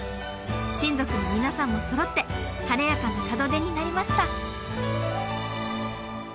親族の皆さんもそろって晴れやかな門出になりました！